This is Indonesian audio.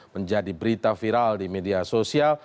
menjadi berita viral di media sosial